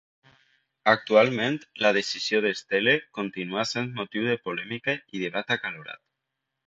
Actualment, la decisió de Steele continua sent motiu de polèmica i debat acalorat.